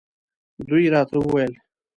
دوی راته وویل.